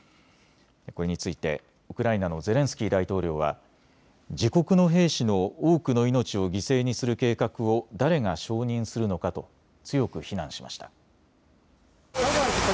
これについてウクライナのゼレンスキー大統領は自国の兵士の多くの命を犠牲にする計画を誰が承認するのかと強く非難しました。